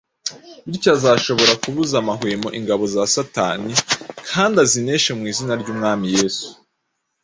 Bityo azashobora kubuza amahwemo ingabo za Satani kandi azineshe mu izina ry’Umwami Yesu.